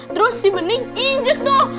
terus si bening injek tuh